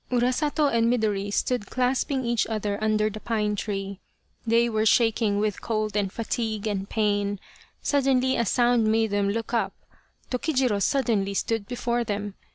Urasato and Midori stood clasping each other under the pine tree. They were shaking with cold and fatigue and pain. Suddenly a sound made them look up. Tokijiro suddenly stood before them.